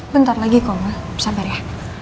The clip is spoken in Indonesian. bentar lagi kok ma sabar ya